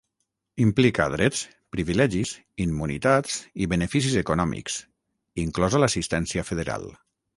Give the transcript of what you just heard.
Implica drets, privilegis, immunitats i beneficis econòmics, inclosa l'assistència federal.